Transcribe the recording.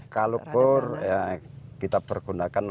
kalau kur kita pergunakan